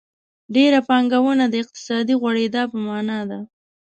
ډېره پانګونه د اقتصادي غوړېدا په مانا ده.